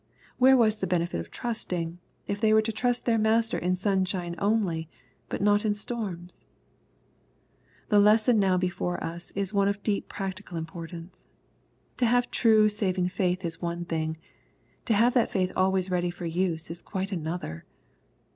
Where was the benefit of trus tmg, i f they were to trust their Master in sunshine only, but not in storms ? The lesson nbw before us is one of deep practical im portance. To have true saving faith is one thing. To have that faith always ready for use is quite another.